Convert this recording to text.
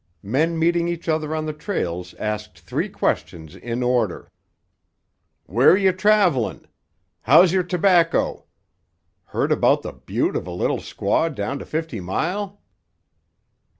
Men meeting each other on the trails asked three questions in order: "Where you traveling? How's your tobacco? Heard about the beaut' of a little squaw down to Fifty Mile?"